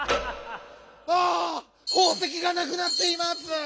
ほうせきがなくなっています！